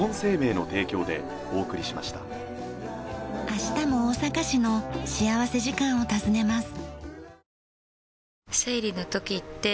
明日も大阪市の幸福時間を訪ねます。